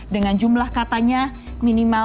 dengan jumlah katanya minimal